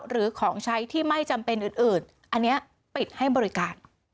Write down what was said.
หรือของใช้ที่ไม่จำเป็นอื่นอันนี้ปิดให้บริการ